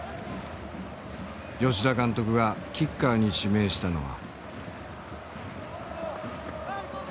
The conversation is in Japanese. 吉田監督がキッカーに指名したのは。